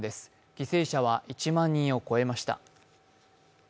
犠牲者は１万人を超えました。